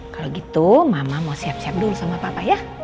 kalau gitu mama mau siap siap dulu sama papa ya